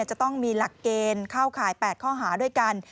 จะต้องมีหลักเกณฑ์เข้าข่าย๘ข้อหาด้วยกัน